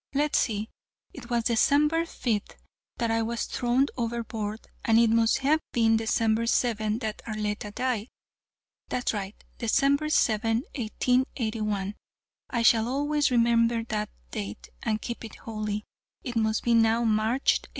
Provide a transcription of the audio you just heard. Let's see, it was December 5th that I was thrown overboard, and it must have been December 7th that Arletta died. That's right, December 7, 1881 I shall always remember that date and keep it holy. It must be now March, 1882."